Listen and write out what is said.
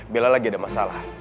bila lagi ada masalah